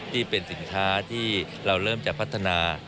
ที่เป็นสินค้าที่เราเริ่มจะพัฒนา